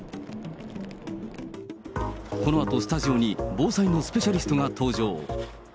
このあと、スタジオに防災のスペシャリストが登場。